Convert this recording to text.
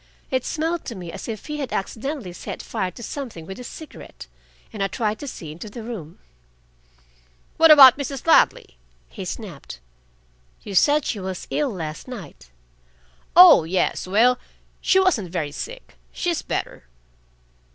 It smelled to me as if he had accidentally set fire to something with his cigarette, and I tried to see into the room. "What about Mrs. Ladley?" he snapped. "You said she was ill last night." "Oh, yes! Well, she wasn't very sick. She's better."